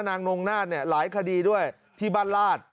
นางนงนาฏเนี่ยหลายคดีด้วยที่บ้านลาด